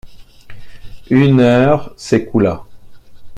Une heure s’écoula.